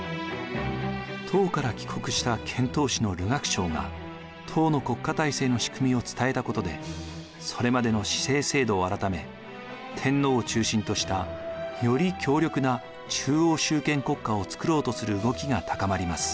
唐から帰国した遣唐使の留学生が唐の国家体制のしくみを伝えたことでそれまでの氏姓制度を改め天皇を中心としたより強力な中央集権国家をつくろうとする動きが高まります。